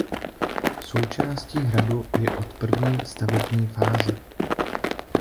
Součástí hradu je od první stavební fáze.